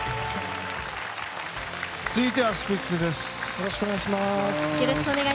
続いてはスピッツです。